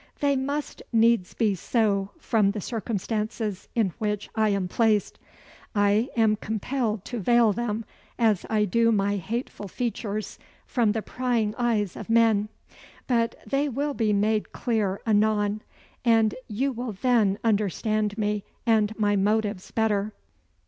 "They must needs be so from the circumstances in which I am placed. I am compelled to veil them as I do my hateful features from the prying eyes of men: but they will be made clear anon, and you will then understand me and my motives better.